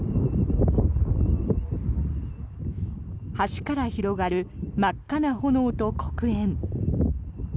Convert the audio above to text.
橋から広がる真っ赤な炎と黒煙。